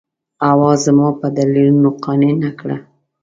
حوا زما په دلیلونو قانع نه کړه.